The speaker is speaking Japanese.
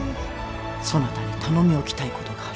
そなたに頼みおきたいことがある。